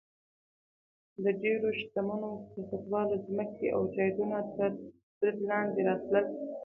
د ډېرو شتمنو سیاستوالو ځمکې او جایدادونه تر برید لاندې راتلل.